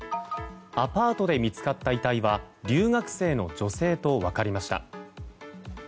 アパートで見つかった遺体は留学生の女性と分かりました。